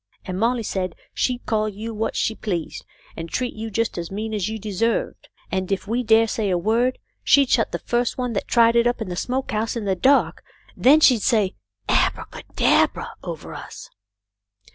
And Molly said she'd call you what she pleased, and treat you just as mean as you deserved, and if we dared say a word she'd shut the first one that tried it up in the smoke house in the dark ; then she'd say abra ca dab ra over us."